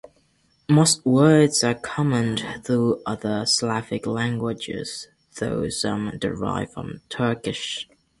Most words are common to other Slavic languages, though some derive from Turkish.